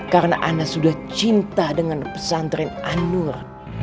karena ana sudah cinta dengan pesantren anur